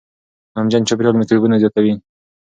نمجن چاپېریال میکروبونه زیاتوي.